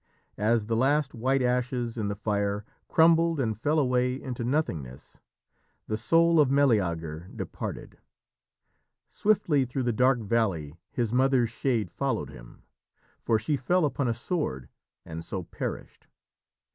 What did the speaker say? As the last white ashes in the fire crumbled and fell away into nothingness, the soul of Meleager departed. Swiftly through the dark valley his mother's shade followed him, for she fell upon a sword and so perished.